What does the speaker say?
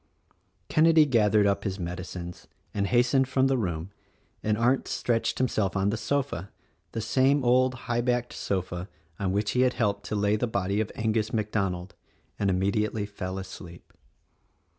Kenedy gathered up his medicines and hastened from the room and Arndt stretched himself on the sofa — the same old high backed sofa on which he had helped to lay the body of Angus MacDonald — and immediately fell asleep.